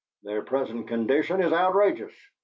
Their present condition is outrageous.